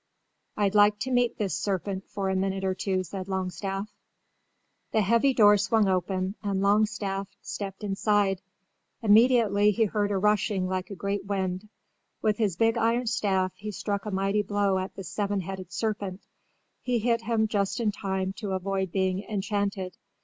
"I'd like to meet this serpent for a minute or two," said Longstaff. The heavy door swung open and Longstaff stepped inside. Immediately he heard a rushing like a great wind. With his big iron staff he struck a mighty blow at the seven headed serpent. He hit him just in time to avoid being enchanted.